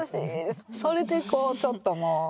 それでこうちょっともう。